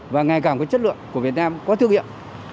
và ngày càng có chất lượng của việt nam có thương hiệu